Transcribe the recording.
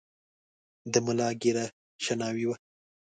د ملا ږیره شناوۍ وه .